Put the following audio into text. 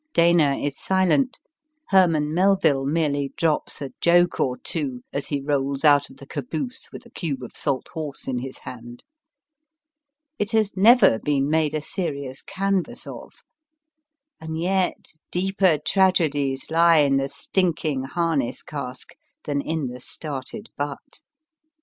Dana is silent. Herman Melville merely drops a joke or two as he rolls out of the caboose with a cube of salt horse in his hand. It has never been made a serious canvas of. And yet deeper tragedies lie in the stinking harness cask than in the started butt.